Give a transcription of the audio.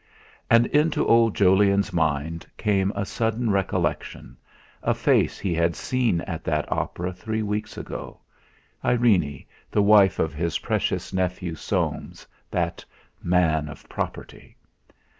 And into old Jolyon's mind came a sudden recollection a face he had seen at that opera three weeks ago Irene, the wife of his precious nephew Soames, that man of property!